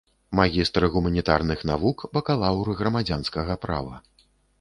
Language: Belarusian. Магістр гуманітарных навук, бакалаўр грамадзянскага права.